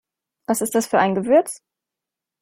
Was ist das für ein Gewürz?